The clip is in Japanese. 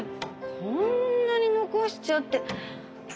こんな残っちゃって。